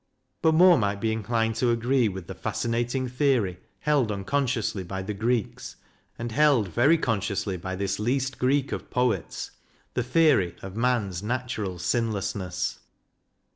But more might be inclined to agree with the fascinating theory held unconsciously by the Greeks, and held very con sciously by this least Greek of poets the theory of Man's natural sinlessness.